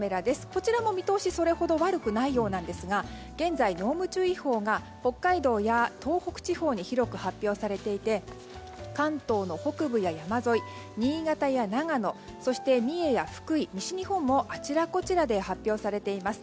こちらも見通しそれほど悪くないようですが現在、濃霧注意報が北海道や東北地方に広く発表されていて関東の北部や山沿い新潟や長野、三重や福井西日本もあちらこちらで発表されています。